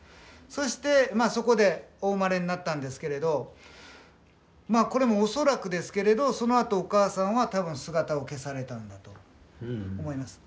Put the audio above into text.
そしてまあそこでお生まれになったんですけれどまあこれも恐らくですけれどそのあとお母さんは多分姿を消されたんだと思います。